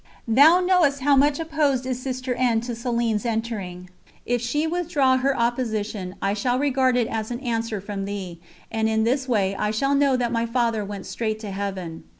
Thou knowest how much opposed is Sister N. to Céline's entering; if she withdraw her opposition, I shall regard it as an answer from Thee, and in this way I shall know that my Father went straight to Heaven."